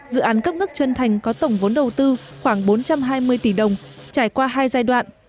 dự án cấp nước chân thành có tổng vốn đầu tư khoảng bốn trăm hai mươi tỷ đồng trải qua hai giai đoạn